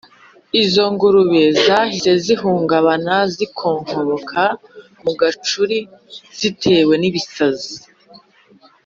izo ngurube zahise zihungabana, zikonkoboka ku gacuri zitewe n’ibisazi